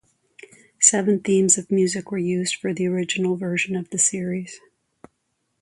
Seven themes of music were used for the original version of the series.